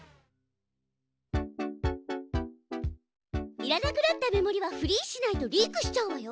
いらなくなったメモリはフリーしないとリークしちゃうわよ。